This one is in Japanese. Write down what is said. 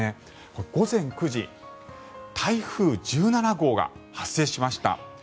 これ、午前９時台風１７号が発生しました。